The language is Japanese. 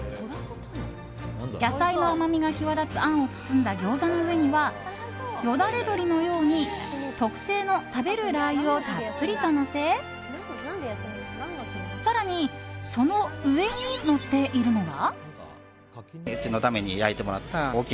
野菜の甘みが際立つあんを包んだ餃子の上にはよだれ鶏のように特製の食べるラー油をたっぷりとのせ更に、その上にのっているのは。